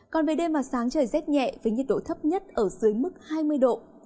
còn về đêm và sáng trời rét nhẹ với nhiệt độ thấp nhất ở dưới mức hai mươi độ